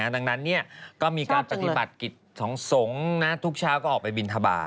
ดังนั้นก็มีการปฏิบัติกิจของสงฆ์ทุกเช้าก็ออกไปบินทบาท